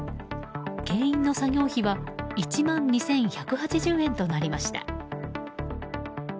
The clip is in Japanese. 牽引の作業費は１万２１８０円となりました。